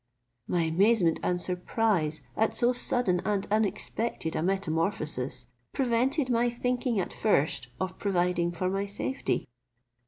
My amazement and surprise at so sudden and unexpected a metamorphosis prevented my thinking at first of providing for my safety.